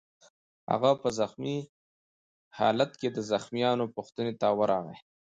هغه په زخمي خالت کې د زخمیانو پوښتنې ته ورغی